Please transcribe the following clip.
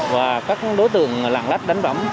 và các đối tượng lặng lách đánh bấm